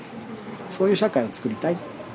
そういう社会を作りたい。